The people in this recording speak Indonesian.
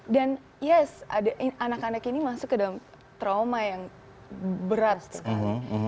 yes anak anak ini masuk ke dalam trauma yang berat sekali